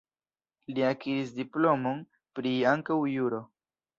Li akiris diplomon pri ankaŭ juro.